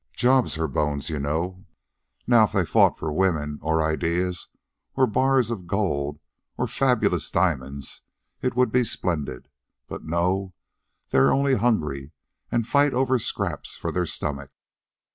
Jobs are bones, you know. Now, if they fought for women, or ideas, or bars of gold, or fabulous diamonds, it would be splendid. But no; they are only hungry, and fight over scraps for their stomach."